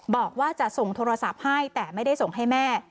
บอกว่าจะส่งโทรศัพท์ให้แต่ไม่ได้ส่งให้แม่